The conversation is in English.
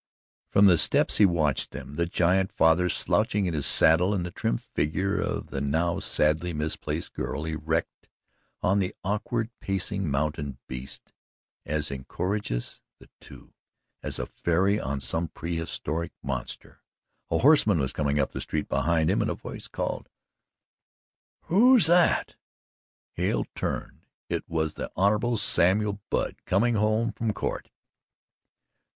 From the steps he watched them the giant father slouching in his saddle and the trim figure of the now sadly misplaced girl, erect on the awkward pacing mountain beast as incongruous, the two, as a fairy on some prehistoric monster. A horseman was coming up the street behind him and a voice called: "Who's that?" Hale turned it was the Honourable Samuel Budd, coming home from Court.